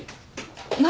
何？